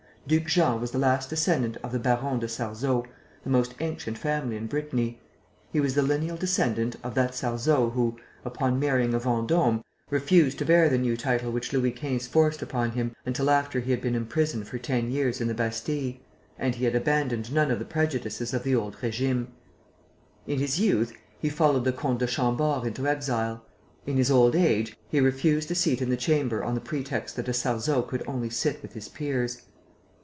Duc Jean was the last descendant of the Barons de Sarzeau, the most ancient family in Brittany; he was the lineal descendant of that Sarzeau who, upon marrying a Vendôme, refused to bear the new title which Louis XV forced upon him until after he had been imprisoned for ten years in the Bastille; and he had abandoned none of the prejudices of the old régime. In his youth, he followed the Comte de Chambord into exile. In his old age, he refused a seat in the Chamber on the pretext that a Sarzeau could only sit with his peers.